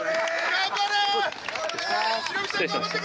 頑張れ！